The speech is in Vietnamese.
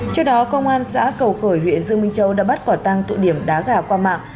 trước đó công an xã cầu khởi huyện dương minh châu đã bắt quả tăng tụ điểm đá gà qua mạng